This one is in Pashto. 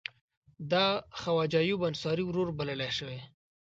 د خواجه ایوب انصاري ورور بلل شوی.